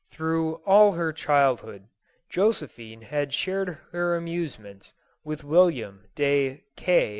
Through all her childhood, Josephine had shared her amusements with William de K